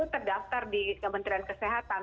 terdaftar di kementerian kesehatan